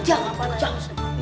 kejam apa ustad